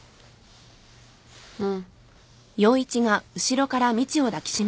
うん。